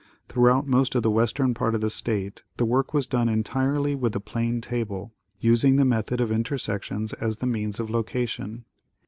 Through out most of the western part of the state the work was done entii ely with the plane table, using the method of intersections as the means of location.